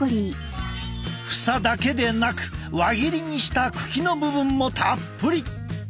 房だけでなく輪切りにした茎の部分もたっぷり。